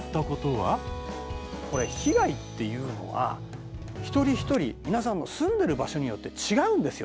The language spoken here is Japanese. これ被害っていうのは一人一人皆さんの住んでる場所によって違うんですよ